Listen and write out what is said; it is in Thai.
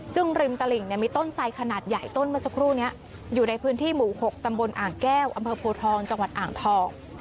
ซึ่งริมตลิ่งมีต้นไสขนาดใหญ่ต้นเมื่อสักครู่นี้อยู่ในพื้นที่หมู่๖ตำบลอ่างแก้วอำเภอโพทองจังหวัดอ่างทอง